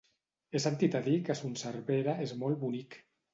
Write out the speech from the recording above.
He sentit a dir que Son Servera és molt bonic.